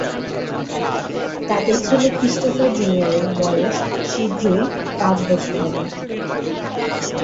তাদের ছেলে ক্রিস্টোফার জুনিয়রের বয়স শীঘ্রই পাঁচ বছর হবে।